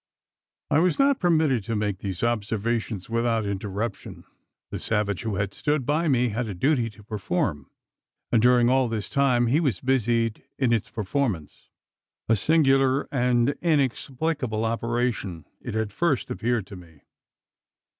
I was not permitted to make these observations without interruption. The savage who had stood by me had a duty to perform; and during all this time he was busied in its performance. A singular and inexplicable operation it at first appeared to me.